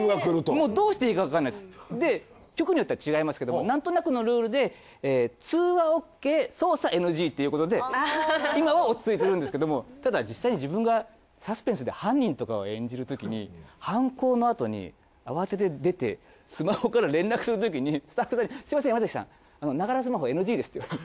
もうどうしていいかわからないっす局によっては違いますけどもなんとなくのルールで。っていうことで今は落ち着いてるんですけどもただ実際に自分がサスペンスで犯人とかを演じるときに犯行のあとに慌てて出てスマホから連絡するときにスタッフさんにすみません山崎さんながらスマホＮＧですって言われて。